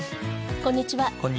こんにちは。